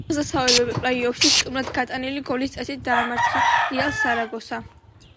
აღსაზევებელ პლეი-ოფში სტუმრად გატანილი გოლის წესით დაამარცხა „რეალ სარაგოსა“.